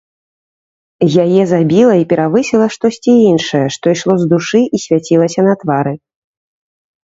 Яе забіла і перавысіла штосьці іншае, што ішло з душы і свяцілася на твары.